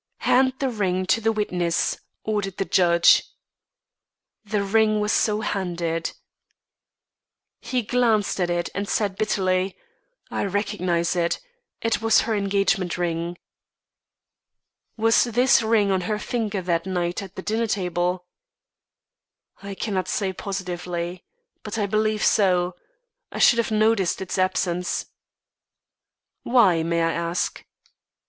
"Hand the ring to the witness," ordered the judge. The ring was so handed. He glanced at it, and said bitterly: "I recognise it. It was her engagement ring." "Was this ring on her finger that night at the dinner table?" "I cannot say, positively, but I believe so. I should have noticed its absence." "Why, may I ask?"